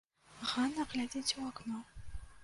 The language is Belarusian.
Ганна глядзіць у акно.